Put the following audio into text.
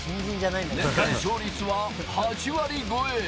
年間勝率は８割超え。